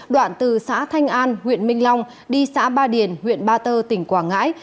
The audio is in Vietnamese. đoạn từ xã thanh an huyện minh long đi xã ba điền huyện ba tơ tỉnh quảng ngãi